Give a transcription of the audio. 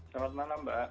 selamat malam mbak